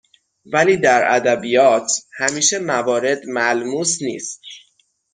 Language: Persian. ولی در ادبیات همیشه موارد ملموس نیست